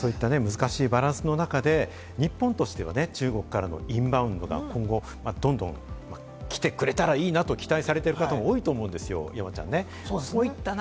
そういった難しいバランスの中で、日本としては中国からのインバウンドがどんどん来てくれたらいいなと期待されている方も、多いと思うんですよ、山ちゃん。